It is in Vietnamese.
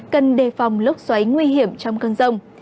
cần đề phòng lốc xoáy nguy hiểm trong căn rồng